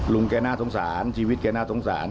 ลุงแกน่าสงสารชีวิตแกน่าสงสาร